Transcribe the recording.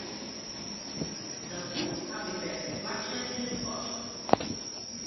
Dat boek haw ik wer teplak set yn 'e kast.